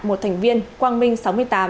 một thành viên quang minh sáu mươi tám